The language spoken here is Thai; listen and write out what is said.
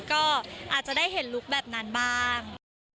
ก็อาจจะได้เห็นลุคแบบนั้นบ้าง